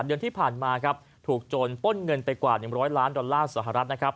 เดือนที่ผ่านมาครับถูกโจรป้นเงินไปกว่า๑๐๐ล้านดอลลาร์สหรัฐนะครับ